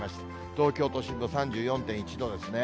東京都心も３４．１度ですね。